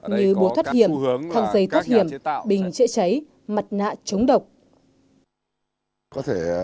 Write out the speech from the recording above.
như bố thoát hiểm thang dây thoát hiểm bình chữa cháy mặt nạ chống độc